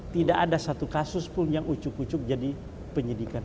tidak ada satu kasus pun yang ucuk ucuk jadi penyidikan